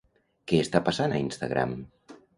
Què està passant a Instagram?